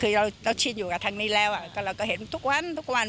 คือเราชินอยู่กับทางนี้แล้วก็เราก็เห็นทุกวันทุกวัน